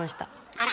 あら。